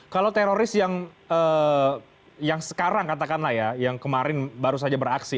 kalau teroris yang sekarang katakanlah ya yang kemarin baru saja beraksi